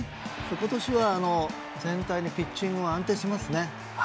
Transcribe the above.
今年は全体的にピッチングは安定していますね。